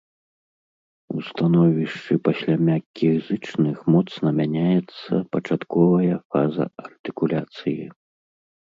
У становішчы пасля мяккіх зычных моцна мяняецца пачатковая фаза артыкуляцыі.